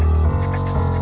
aku sudah berhenti